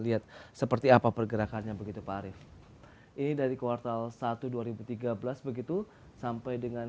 lihat seperti apa pergerakannya begitu pak arief ini dari kuartal satu dua ribu tiga belas begitu sampai dengan